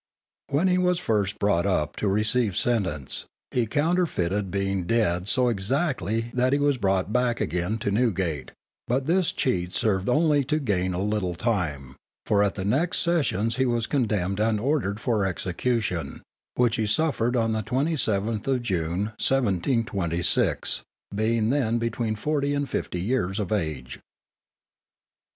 When he was first brought up to receive sentence, he counterfeited being dead so exactly that he was brought back again to Newgate, but this cheat served only to gain a little time; for at the next sessions he was condemned and ordered for execution, which he suffered on the 27th of June, 1726, being then between forty and fifty years of age.